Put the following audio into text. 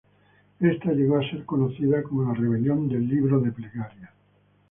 Esta llegó a ser conocida como la Rebelión del Libro de Plegarias.